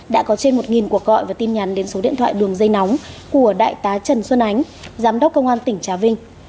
đã có trên một cuộc gọi và tin nhắn đến số điện thoại đường dây nóng của đại tá trần xuân ánh giám đốc công an tỉnh trà vinh